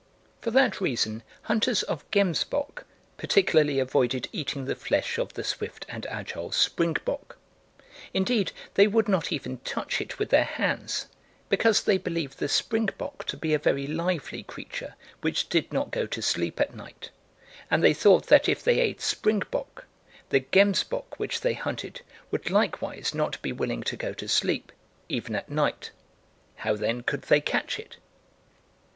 For that reason hunters of gemsbok particularly avoided eating the flesh of the swift and agile springbok; indeed they would not even touch it with their hands, because they believed the springbok to be a very lively creature which did not go to sleep at night, and they thought that if they ate springbok, the gemsbok which they hunted would likewise not be willing to go to sleep, even at night. How, then, could they catch it?